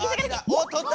おっとった！